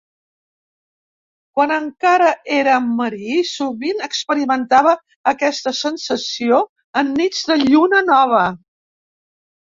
Quan encara era marí sovint experimentava aquesta sensació en nits de lluna nova.